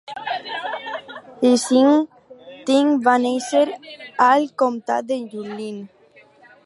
Hsin Ting va néixer al comtat de Yunlin.